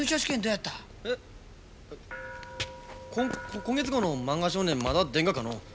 こ今月号の「漫画少年」まだ出んがかの。